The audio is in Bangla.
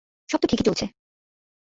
সব তো ঠিকই চলছে।